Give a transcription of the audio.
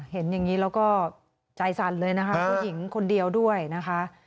เห็นอย่างนี้แล้วก็ใจสั่นเลยนะคะผู้หญิงคนเดียวด้วยนะคะ